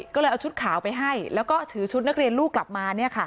ก็เลยเอาชุดขาวไปให้แล้วก็ถือชุดนักเรียนลูกกลับมา